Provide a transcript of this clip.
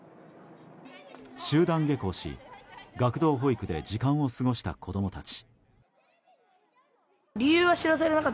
集団下校し学童保育で時間を過ごした子供たち。